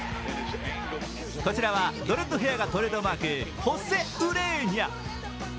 こちらはドレッドヘアがトレードマーク、ホセ・ウレーニャ。